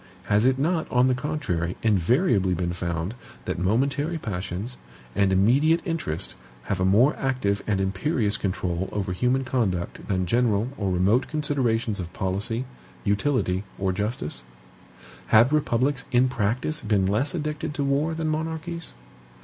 Has it not, on the contrary, invariably been found that momentary passions, and immediate interest, have a more active and imperious control over human conduct than general or remote considerations of policy, utility or justice? Have republics in practice been less addicted to war than monarchies?